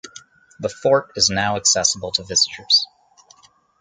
The fort is now accessible to visitors.